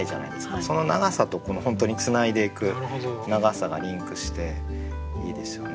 その長さと本当につないでいく長さがリンクしていいですよね。